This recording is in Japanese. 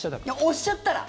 押しちゃったら？